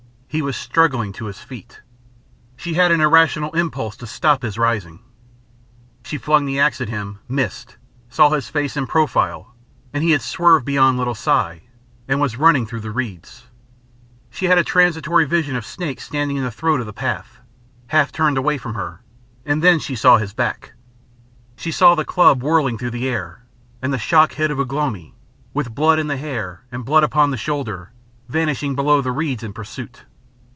He was struggling to his feet. She had an irrational impulse to stop his rising. She flung the axe at him, missed, saw his face in profile, and he had swerved beyond little Si, and was running through the reeds. She had a transitory vision of Snake standing in the throat of the path, half turned away from her, and then she saw his back. She saw the club whirling through the air, and the shock head of Ugh lomi, with blood in the hair and blood upon the shoulder, vanishing below the reeds in pursuit.